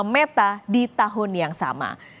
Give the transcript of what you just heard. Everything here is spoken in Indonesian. meta di tahun yang sama